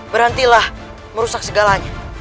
berhentilah merusak segalanya